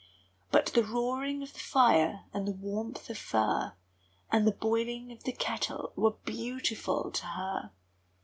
But the roaring of the fire, And the warmth of fur, And the boiling of the kettle Were beautiful to her!